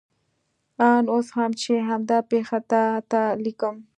آن اوس هم چې همدا پېښه تا ته لیکم.